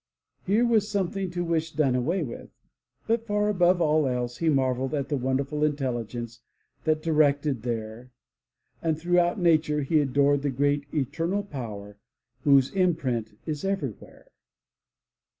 Here was something to wish done away. But far above all else, he marveled at the wonderful intelligence that directed there, and throughout nature he adored the great Eter nal Power whose imprint is everywhere.